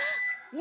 お？